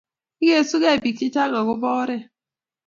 igesugei biik chechang agoba oret